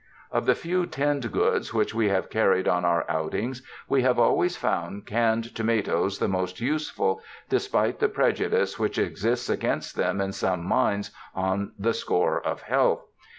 Of the few tinned goods which we have carried on our outings, we have always found canned to matoes the most useful, despite the prejudice which exists against them in some minds on the score of health.